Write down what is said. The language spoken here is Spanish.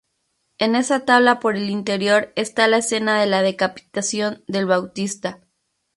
En esa tabla por el interior está la escena de la decapitación del Bautista.